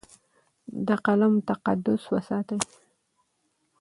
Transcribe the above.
د قلم تقدس وساتئ.